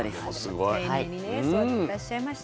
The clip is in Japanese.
すごく丁寧にね育ててらっしゃいました。